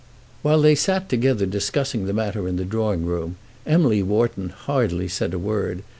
While they sat together discussing the matter in the drawing room Emily Wharton hardly said a word.